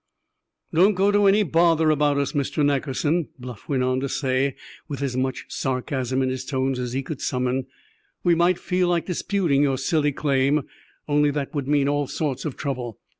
"Don't go to any bother about us, Mr. Nackerson," Bluff went on to say, with as much sarcasm in his tones as he could summon. "We might feel like disputing your silly claim, only that would mean all sorts of trouble.